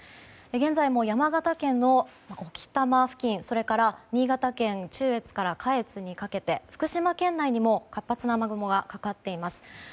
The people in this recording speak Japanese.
現在も山形県のオキタマ付近それから新潟県中越から下越にかけて福島県内にも活発な雨雲がかかっています。